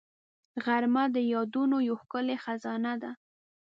غرمه د یادونو یو ښکلې خزانه ده